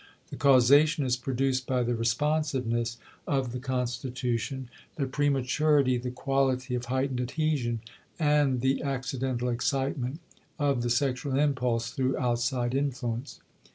The causation is produced by the responsiveness of the constitution, the prematurity, the quality of heightened adhesion, and the accidental excitement of the sexual impulse through outside influence.